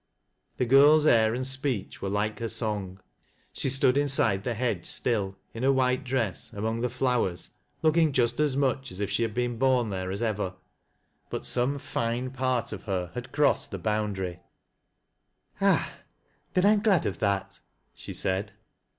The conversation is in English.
The girl's air and speech were like her song. She stood inside the hedge still, in her white dress, among the flowers, looking just as much as if she had been born there as ever, but some fine part of her I lat) crossed the boundary 60 TEAT LASS Q LOWRIE'B. " Ah I then I am glad of that," she said.